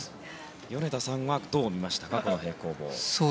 米田さんはどう見ましたかこの平行棒。